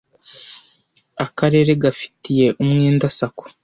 akarere gafitiye umwenda sacco